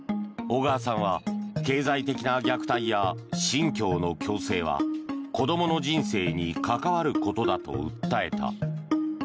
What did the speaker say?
小川さんは経済的な虐待や信教の強制は子供の人生に関わることだと訴えた。